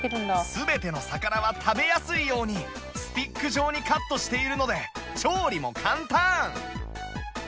全ての魚は食べやすいようにスティック状にカットしているので調理も簡単！